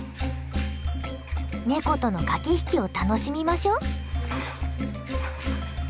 ネコとの駆け引きを楽しみましょう。